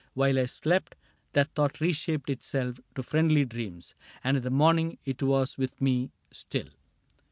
While I slept. That thought reshaped itself to friendly dreams, And in the morning it was with me still.